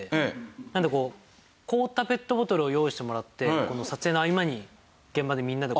なので凍ったペットボトルを用意してもらって撮影の合間に現場でみんなで握るみたいな。